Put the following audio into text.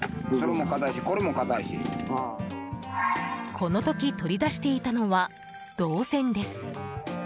この時、取り出していたのは銅線です。